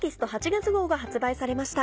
月号が発売されました。